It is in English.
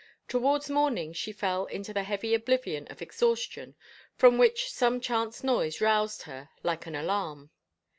Towards morning she fell into the heavy oblivion of exhaustion from which some chance noise roused her like an alarm.